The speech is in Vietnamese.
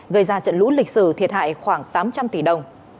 gây ra trận lũ lịch sử thiệt hại khoảng tám trăm linh tỷ đồng